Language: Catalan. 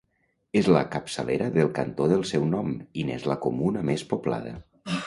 És la capçalera del cantó del seu nom i n'és la comuna més poblada.